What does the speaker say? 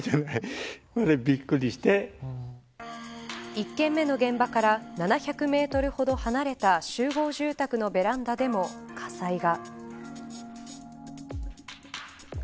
１件目の現場から７００メートルほど離れた集合住宅のベランダでも火災が。